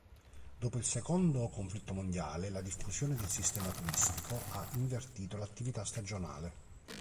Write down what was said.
Dopo il secondo conflitto mondiale, la diffusione del sistema turistico ha invertito l'attività stagionale.